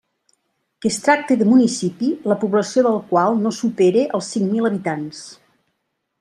Que es tracte de municipi la població del qual no supere els cinc mil habitants.